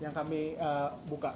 yang kami buka